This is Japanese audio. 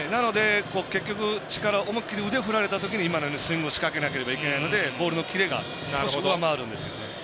なので、結局思い切り腕振られたときにスイングをしかけないといけないのでボールのキレが少し上回るんですよね。